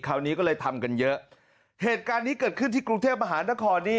คราวนี้ก็เลยทำกันเยอะเหตุการณ์นี้เกิดขึ้นที่กรุงเทพมหานครนี้